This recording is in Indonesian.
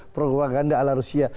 propaganda ala rusia